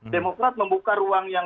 demokrat membuka ruang yang